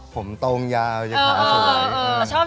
ผมตรงยาวอย่างค่าสวย